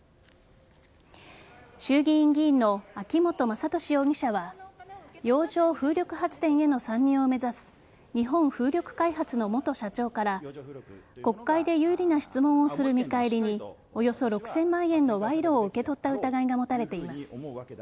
衆議院議員の秋本真利容疑者は洋上風力発電への参入を目指す日本風力開発の元社長から国会で有利な質問をする見返りにおよそ６０００万円の賄賂を受け取った疑いが持たれています。